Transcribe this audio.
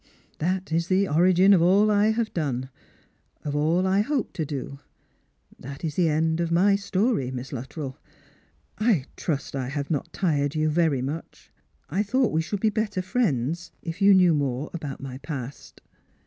That is the origin of all I have done, of all I hope to do. That is the end of my story, Miss Luttrell. I trust I have not tired you very much. I thought we should be better friends, if you knew more about my past."